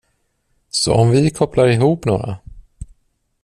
Så om vi kopplar ihop några.